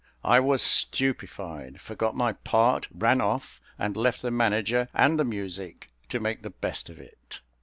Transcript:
I was stupified, forgot my part, ran off, and left the manager and the music to make the best of it.